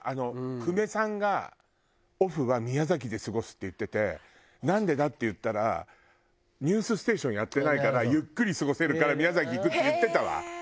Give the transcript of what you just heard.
久米さんがオフは宮崎で過ごすって言っててなんでだっていったら『ニュースステーション』やってないからゆっくり過ごせるから宮崎行くって言ってたわ。